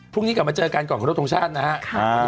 พรุ่งนี้กลับมาเจอกันก่อนครับทุกทุกชาตินะฮะ